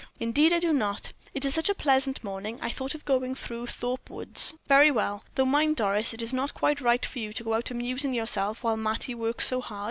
"Indeed I do not. It is such a pleasant morning, I thought of going through Thorpe Woods." "Very well. Though mind, Doris, it is not quite right for you to go out amusing yourself while Mattie works so hard."